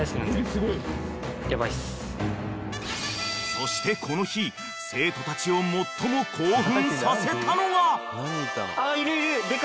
［そしてこの日生徒たちを最も興奮させたのが！］